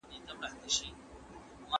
که معاش وي نو استاد نه ناهیلی کیږي.